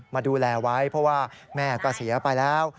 มาดูแลไว้เพราะว่าแม่ก็เสียไปแล้ว